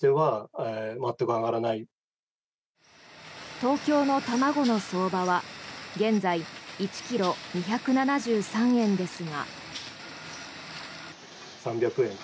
東京の卵の相場は現在１ｋｇ２７３円ですが。